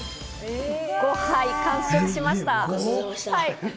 ５杯完食しました。